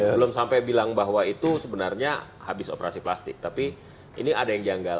belum sampai bilang bahwa itu sebenarnya habis operasi plastik tapi ini ada yang janggal